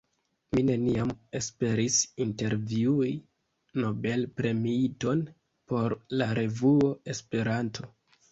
Mi neniam esperis intervjui Nobel-premiiton por la revuo Esperanto!